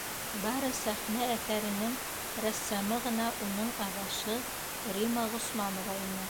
Бары сәхнә әҫәренең рәссамы ғына уның аҙашы Рима Ғосманова ине.